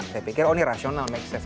saya pikir oh ini rasional make sense